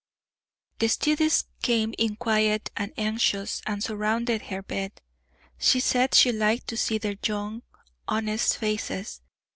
The students came in quiet and anxious, and surrounded her bed. She said she liked to see their young, honest faces.